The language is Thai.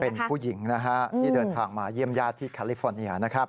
เป็นผู้หญิงนะฮะที่เดินทางมาเยี่ยมญาติที่แคลิฟอร์เนียนะครับ